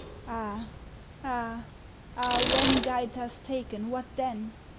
Ah, ah, ah! when Gaëta's taken, what then?